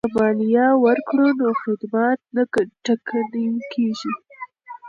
که مالیه ورکړو نو خدمات نه ټکنی کیږي.